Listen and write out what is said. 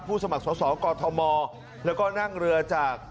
ผู้สมัครสองกฎธมแล้วก็นั่งเรือจาก